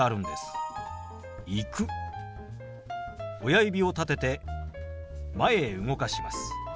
親指を立てて前へ動かします。